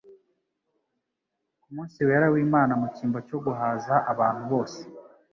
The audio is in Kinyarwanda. ku munsi wera w'Imana mu cyimbo cyo guhaza abantu bose